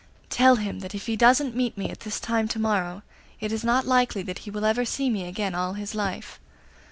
Tell him that if he doesn't meet me at this time to morrow it is not likely that he will ever see me again all his life.